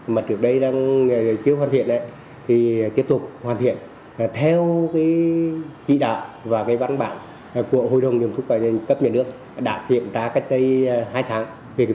mà trước đây đang chiếu hoàn thiện đấy thì tiếp tục hoàn thiện theo cái chỉ đạo và cái văn bản của hội đồng dùng thuốc cấp về nước đã thiện ra cách đây hai tháng